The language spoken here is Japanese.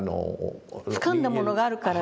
つかんだものがあるからですね。